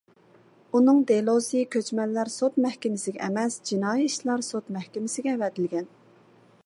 ئۇنىڭ دېلوسى كۆچمەنلەر سوت مەھكىمىسىگە ئەمەس ، جىنايى ئىشلار سوت مەھكىمىسىگە ئەۋەتىلگەن .